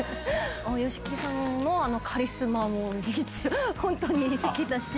ＹＯＳＨＩＫＩさんのカリスマも、本当に好きだし。